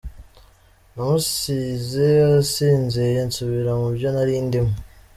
Namusize asinziye nsubira mubyo nari ndimo.